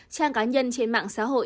trang cá nhân trên mạng xã hội